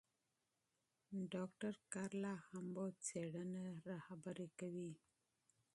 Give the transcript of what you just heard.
ډاکټره کارلا هومبو څېړنه رهبري کوي.